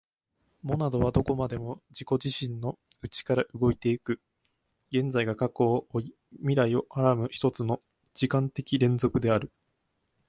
モナドはどこまでも自己自身の内から動いて行く、現在が過去を負い未来を孕はらむ一つの時間的連続である。